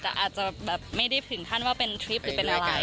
แต่อาจจะแบบไม่ได้ถึงขั้นว่าเป็นทริปหรือเป็นอะไร